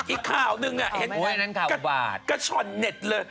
อีกข่าวหนึ่งเห็นกระช่อนเน็ตเลย